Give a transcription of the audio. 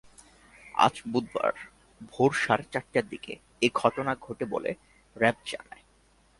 আজ বুধবার ভোর সাড়ে চারটার দিকে এ ঘটনা ঘটে বলে র্যাব জানায়।